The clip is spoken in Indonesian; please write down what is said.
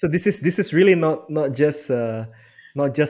jadi ini bukan hanya